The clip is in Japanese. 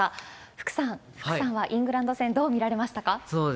福さん、福さんはイングランド戦、どう見られましたか？